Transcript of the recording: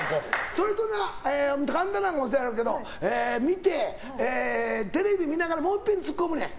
それとな神田さんもそうだろうけど見て、テレビ見ながらもういっぺんツッコむねん。